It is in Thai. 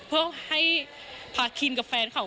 เพื่อให้พาคินกับแฟนเขา